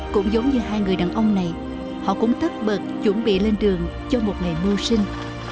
cũng giống như hai người đàn ông này họ cũng tất bật chuẩn bị lên đường cho một ngày mưu sinh